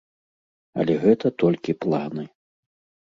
Але гэта толькі планы.